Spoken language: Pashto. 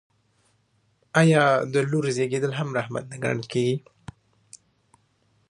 آیا د لور زیږیدل هم رحمت نه ګڼل کیږي؟